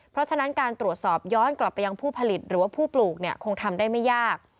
เพราะฉะนั้นการตรวจสอบย้อนกลับไปยังผู้ผลิตหรือว่าผู้ปลูกเนี่ยคงทำได้ไม่ยาก